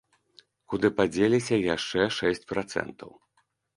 Куды падзеліся яшчэ шэсць працэнтаў?